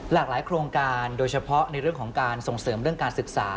หลากหลายโครงการโดยเฉพาะในเรื่องของการส่งเสริมเรื่องการศึกษา